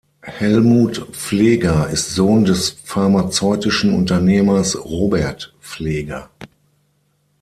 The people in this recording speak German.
Helmut Pfleger ist Sohn des pharmazeutischen Unternehmers Robert Pfleger.